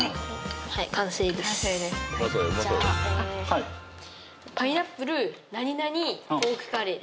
じゃあパイナップルなになにポークカレーです